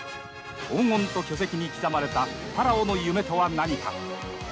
黄金と巨石に刻まれたファラオの夢とは何か？